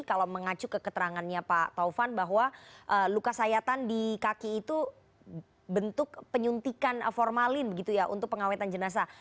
kalau mengacu ke keterangannya pak taufan bahwa luka sayatan di kaki itu bentuk penyuntikan formalin begitu ya untuk pengawetan jenazah